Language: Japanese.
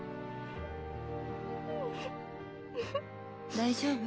大丈夫？